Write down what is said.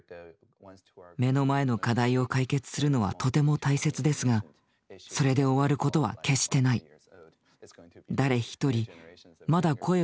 目の前の課題を解決するのはとても大切ですがそれで終わることは決してない。